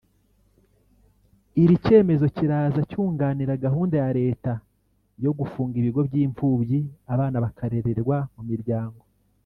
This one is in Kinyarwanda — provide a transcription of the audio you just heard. Iri cyemezo kiraza cyunganira gahunda ya leta yo gufunga ibigo by’imfubyi abana bakarererwa mu miryango